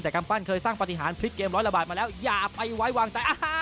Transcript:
แต่กำปั้นเคยสร้างปฏิหารพลิกเกมร้อยละบาทมาแล้วอย่าไปไว้วางใจ